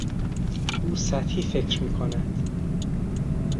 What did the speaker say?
او سطحی فکر میکند.